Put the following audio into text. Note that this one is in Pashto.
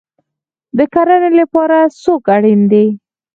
د کرنې لپاره څوک اړین دی؟